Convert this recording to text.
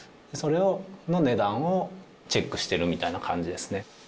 それの値段をチェックしてるみたいな感じですね。